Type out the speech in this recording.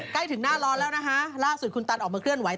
ใกล้ถึงหน้าร้อนแล้วนะคะล่าสุดคุณตันออกมาเคลื่อนไห